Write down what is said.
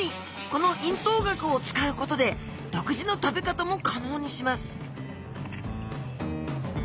この咽頭顎を使うことで独自の食べ方も可能にします